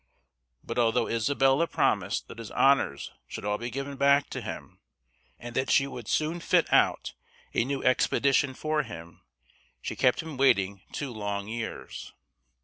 But although Isabella promised that his honors should all be given back to him, and that she would soon fit out a new expedition for him, she kept him waiting two long years.